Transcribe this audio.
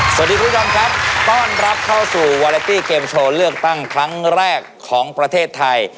คุณผู้ชมครับต้อนรับเข้าสู่วาเลตี้เกมโชว์เลือกตั้งครั้งแรกของประเทศไทย